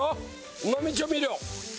うま味調味料。